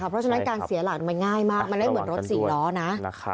เพราะฉะนั้นการเสียหลักมันง่ายมากมันไม่เหมือนรถ๔ล้อนะ